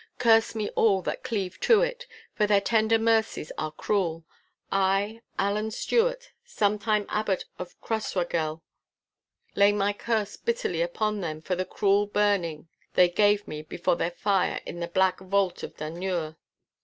Curse me all that cleave to it, for their tender mercies are cruel. I, Allan Stewart, sometime Abbot of Crossraguel, lay my curse bitterly upon them for the cruel burning they gave me before their fire in the Black Vault of Dunure.